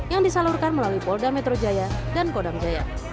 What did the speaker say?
yang disalurkan melalui polda metro jaya dan kodam jaya